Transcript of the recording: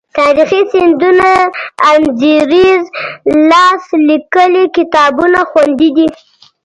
تاریخي سندونه، انځوریز لاس لیکلي کتابونه خوندي دي.